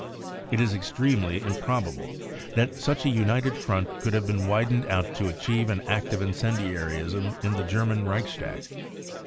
It is ex ' tremely improbable that such a united front could have been widened out to achieve an act of incendiarism * in the German Reichstag.